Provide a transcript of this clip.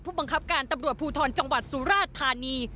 บังคับการตำรวจภูทรจังหวัดสุราชธานี